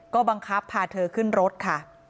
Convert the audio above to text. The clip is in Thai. ก็บังคับพาเธอขึ้นรถค่ะ